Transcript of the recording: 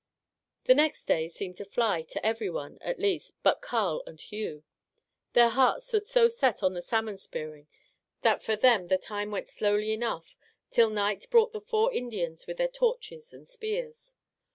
The next day seemed to fly, to every one, at least, but Carl and Hugh. Their hearts were so set on the salmon spearing that for them the time went slowly enough till night brought the four Indians with their torches and spears.